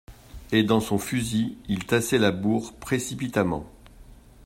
Et, dans son fusil, il tassait la bourre, précipitamment.